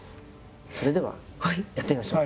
それではやってみましょう。